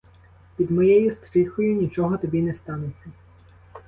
Під моєю стріхою нічого тобі не станеться.